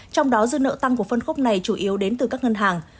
trong đó dư nợ tăng của phân khúc này chủ yếu đến từ các ngân hàng